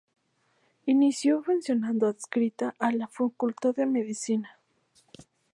Inicio funcionando adscrita a la Facultad de Medicina.